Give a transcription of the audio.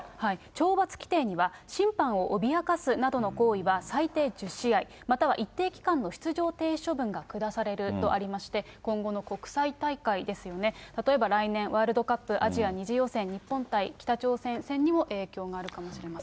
懲罰規定には、審判を脅かすなどの行為は最低１０試合、または一定期間の出場停止処分が下されるとありまして、今後の国際大会ですよね、例えば来年、ワールドカップアジア２次予選、日本対北朝鮮戦にも影響があるかもしれません。